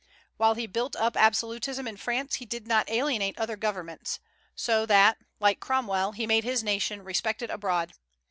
While he built up absolutism in France, he did not alienate other governments; so that, like Cromwell, he made his nation respected abroad.